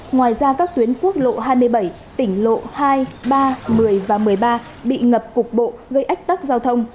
ngoài ra các tuyến quốc lộ hai mươi bảy tỉnh lộ hai ba một mươi và một mươi ba bị ngập cục bộ gây ách tắc giao thông